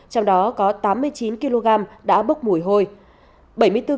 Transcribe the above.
trong đó có tám mươi chín kg đã bốc mùi hôi